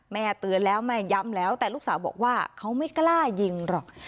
เตือนแล้วแม่ย้ำแล้วแต่ลูกสาวบอกว่าเขาไม่กล้ายิงหรอก